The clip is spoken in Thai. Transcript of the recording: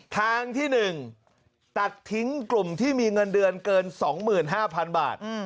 ทางที่๑ตัดทิ้งกลุ่มที่มีเงินเดือนเกิน๒๕๐๐๐บาท